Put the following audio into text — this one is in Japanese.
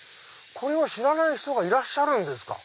これを知らない人がいらっしゃるんですか。